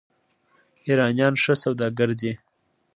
ایرانیان ښه سوداګر دي.